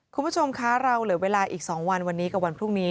คุณผู้ชมคะเราเหลือเวลาอีก๒วันวันนี้กับวันพรุ่งนี้